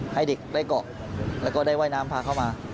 ให้เด็กได้เกาะแล้วก็ได้ว่ายน้ำพาเข้ามา